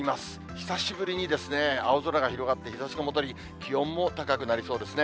久しぶりに青空が広がって日ざしも戻り、気温も高くなりそうですね。